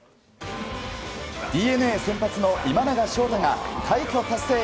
ＤｅＮＡ先発の今永昇太が快挙達成。